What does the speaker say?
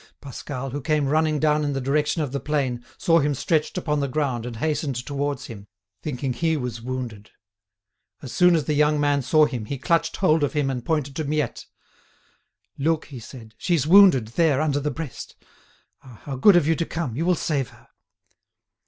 Pascal, who came running down in the direction of the plain, saw him stretched upon the ground, and hastened towards him, thinking he was wounded. As soon as the young man saw him, he clutched hold of him and pointed to Miette. "Look," he said, "she's wounded, there, under the breast. Ah! how good of you to come! You will save her."